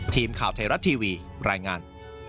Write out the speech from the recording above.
ทีมข่าวไทยรัฐทีวีรายงาน